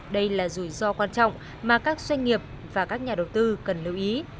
đây là rủi ro quan trọng mà các doanh nghiệp và các nhà đầu tư cần lưu ý